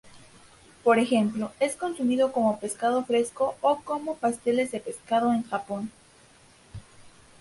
Por ejemplo, es consumido como pescado fresco o como pasteles de pescado en Japón.